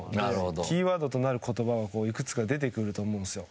キーワードとなる言葉がいくつか出てくると思うんですよ。